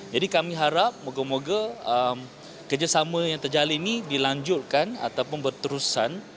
jadi kami harap moga moga kerjasama yang terjalin ini dilanjutkan ataupun berterusan